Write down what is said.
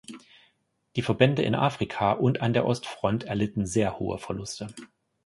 Die Verbände in Afrika und an der Ostfront erlitten sehr hohe Verluste.